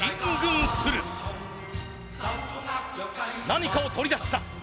何かを取り出した。